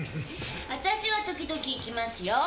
あたしは時々行きますよ。